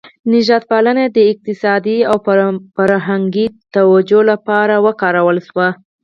نژاد پالنه د اقتصادي او فرهنګي توجیه لپاره وکارول شوه.